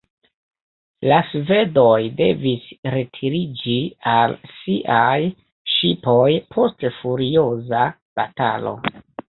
La svedoj devis retiriĝi al siaj ŝipoj post furioza batalo.